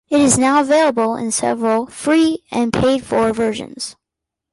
It is now available in several free and paid-for versions.